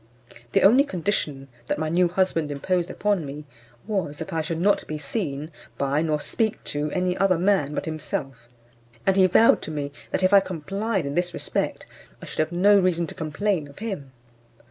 The only condition that my new husband imposed upon me was, that I should not be seen by nor speak to any other man but himself, and he vowed to me that, if I complied in this respect, I should have no reason to complain of him.